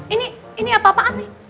ini ini apa apaan nih